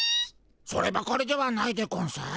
そればかりではないでゴンス。